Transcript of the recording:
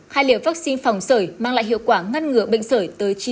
hai liều vaccine phòng sởi mang lại hiệu quả ngăn ngừa bệnh sởi tới chín mươi